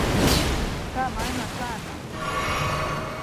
Tā mainās lēnām.